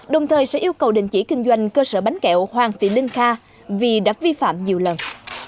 đồng thời sẽ yêu cầu đình chỉ kinh doanh cơ sở bánh kẹo hoàng tị ninh kha vì đã vi phạm nhiều lần